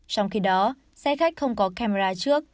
trong khi đó xe khách không có camera trước